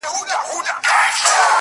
له حورو نه تېرېږم او وتاته درېږم~